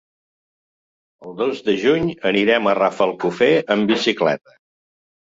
El dos de juny anirem a Rafelcofer amb bicicleta.